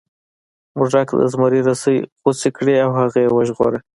موږک د زمري رسۍ غوڅې کړې او هغه یې وژغوره.